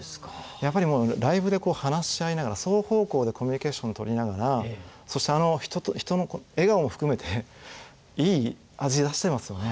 やっぱりライブで話し合いながら双方向でコミュニケーションとりながらそして人と人の笑顔も含めていい味出してますよね。